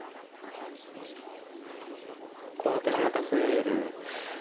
コウ立てがまた増える。